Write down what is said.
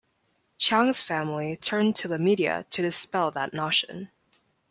Chiang's family turned to the media to dispel that notion.